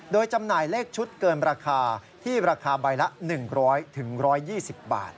โดยจำหน่ายเลขชุดเกินราคาที่ราคาใบละ๑๐๐๑๒๐บาท